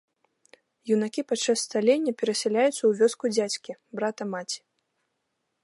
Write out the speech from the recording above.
Юнакі падчас сталення перасяляюцца ў вёску дзядзькі, брата маці.